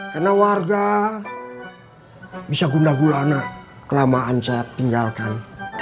karena warga bisa gundah gulana kelamaan saya tinggalkan